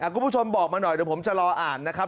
คุณผู้ชมบอกมาหน่อยเดี๋ยวผมจะรออ่านนะครับ